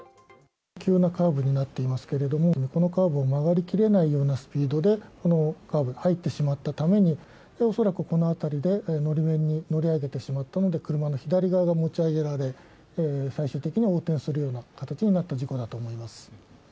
急なカーブになっていますけどもこのカーブを曲がり切れないようなスピードでこのカーブに入ってしまったために恐らく、この辺りで法面に乗り上げてしまったので車の左側が持ち上げられ最終的には横転するようになった事故だと思います。